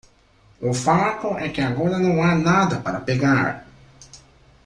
O fato é que agora não há nada para pegar.